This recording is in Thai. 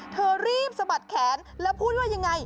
เธอรีบสะบัดแขนแล้วพูดว่ายังไง